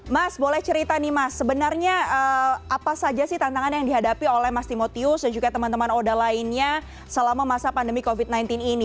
mas boleh cerita nih mas sebenarnya apa saja sih tantangan yang dihadapi oleh mas timotius dan juga teman teman oda lainnya selama masa pandemi covid sembilan belas ini